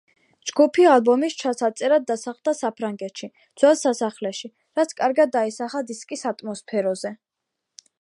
ჯგუფი ალბომის ჩასაწერად დასახლდა საფრანგეთში, ძველ სასახლეში, რაც კარგად აისახა დისკის ატმოსფეროზე.